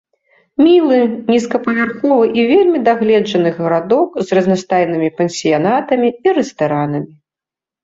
Мілы, нізкапавярховы і вельмі дагледжаны гарадок з разнастайнымі пансіянатамі і рэстаранамі.